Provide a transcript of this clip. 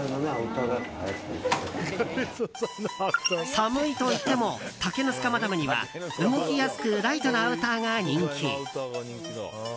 寒いといっても竹の塚マダムには動きやすくライトなアウターが人気。